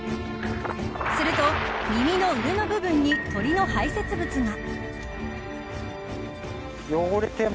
すると、耳の上の部分に鳥の排泄物が。